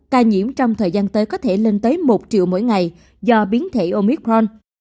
ca nhiễm trong thời gian tới có thể lên tới một triệu mỗi ngày do biến thể omicron